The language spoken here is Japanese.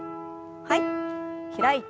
はい。